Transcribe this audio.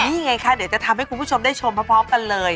นี่ไงคะเดี๋ยวจะทำให้คุณผู้ชมได้ชมพร้อมกันเลย